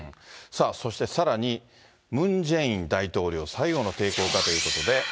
さあそして、さらにムン・ジェイン大統領最後の抵抗かということで。